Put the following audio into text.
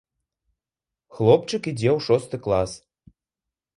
Хлопчык ідзе ў шосты клас.